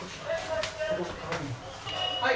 はい。